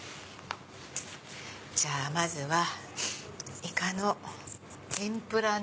まずはイカの天ぷらの。